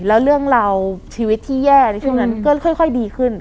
แล้วเรื่องราวชีวิตที่แย่ในช่วงนั้นก็ค่อยดีขึ้น